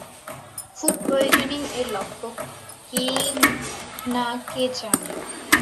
Food পয়জনিং-এর লক্ষণ কি না কে জানে?